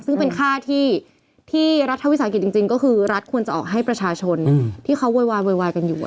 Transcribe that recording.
ซึ่งเป็นค่าที่รัฐวิสาหกิจจริงก็คือรัฐควรจะออกให้ประชาชนที่เขาโวยวายโวยวายกันอยู่